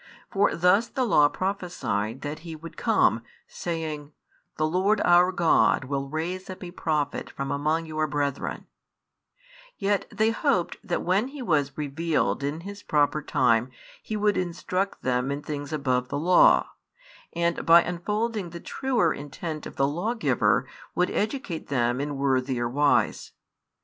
For thus the Law prophesied that He would come, saying: The Lord our God will raise up a Prophet from among your brethren; yet they hoped that when He was revealed in His proper time He would instruct them in things above the Law, and by unfolding the truer intent of the Lawgiver would educate them in worthier wise.